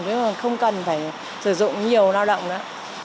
nhưng mà không cần phải sử dụng nhiều lao động nữa